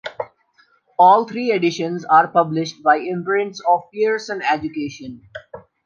All three editions are published by imprints of Pearson Education.